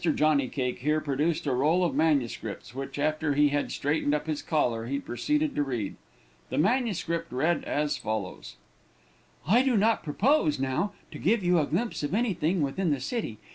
Johnny Cake here produced a roll of manuscripts, which, after he had straightened up his collar, he proceeded to read. The manuscript read as follows: "I do not propose, now, to give you a glimpse of anything within the city.